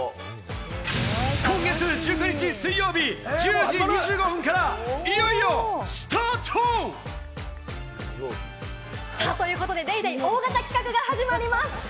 今月１９日水曜日、１０時２５分からいよいよスタート！ということで、『ＤａｙＤａｙ．』大型企画が始まります！